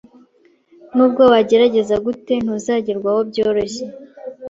Nubwo wagerageza gute, ntuzagerwaho byoroshye